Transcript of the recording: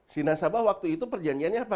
si nasabah waktu itu perjanjiannya apa